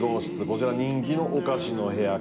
こちら人気のお菓子の部屋。